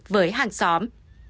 với hàng xóm